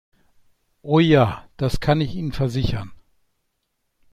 Oh ja, das kann ich Ihnen versichern!